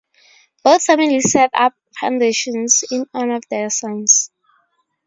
Both families set up foundations in honor of their sons.